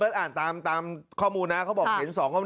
เบอร์อ่านตามข้อมูลนะเขาบอกเห็น๒กับ๑นะ